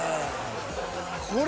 これ。